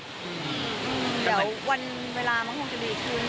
เดี๋ยววันเวลามันคงจะดีขึ้น